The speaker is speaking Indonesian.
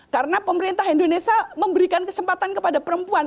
karena pemerintah indonesia memberikan kesempatan kepada perempuan